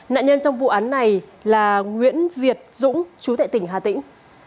nạn nhân trong vụ án này là nguyễn việt dũng chú tại tỉnh hà tĩnh